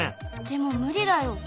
でも無理だよ。